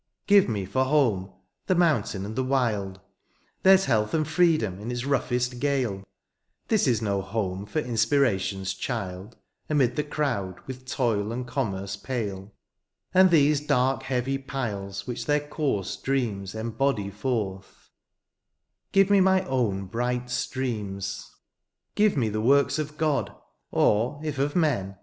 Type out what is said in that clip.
Give me for home^ the mountain and the wild^ There's health and freedom in its roughest gale; This is no home for inspiration's child^ Amid the crowd with toil and commerce pale^ And these dark heavy piles which their coarse dreams Embody forth — give me my own bright streams ; 168 THE EXILE SONG. Give me the works of God ; or if of men.